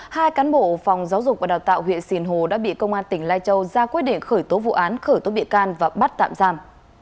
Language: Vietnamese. hai cán bộ phòng giáo dục và đào tạo huyện sìn hồ đã bị công an tỉnh lai châu ra quyết định khởi tố vụ án khởi tố bị can và bắt tạm giam